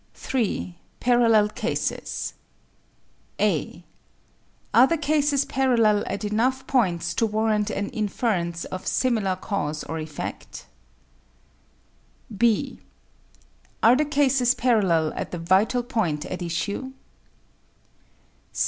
3. Parallel cases (a) Are the cases parallel at enough points to warrant an inference of similar cause or effect? (b) Are the cases parallel at the vital point at issue?